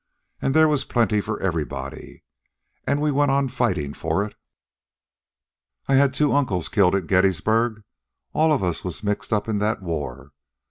And there was plenty for everybody. And we went on fightin' for it. I had two uncles killed at Gettysburg. All of us was mixed up in that war.